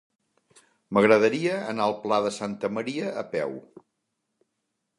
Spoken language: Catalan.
M'agradaria anar al Pla de Santa Maria a peu.